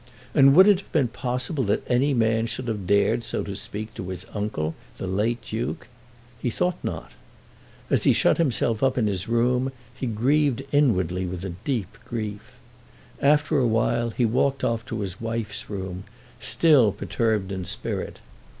And would it have been possible that any man should have dared so to speak to his uncle, the late Duke? He thought not. As he shut himself up in his own room he grieved inwardly with a deep grief. After a while he walked off to his wife's room, still perturbed in spirit.